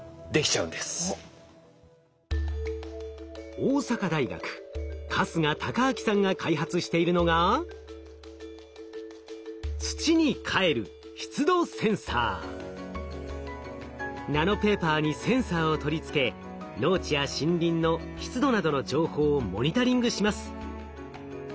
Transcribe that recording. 大阪大学春日貴章さんが開発しているのがナノペーパーにセンサーを取り付け農地や森林の湿度などの情報をモニタリングします。